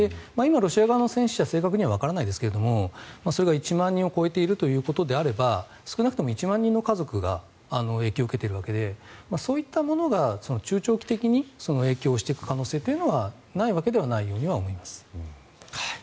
今、ロシア側の戦死者正確にはわからないですがそれが１万人を超えているということであれば少なくとも１万人の家族が影響を受けているわけでそういったものが中長期的に影響していく可能性というのはないわけではないように思います。